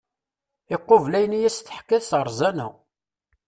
Iqubel ayen i as-d-teḥka s rẓana.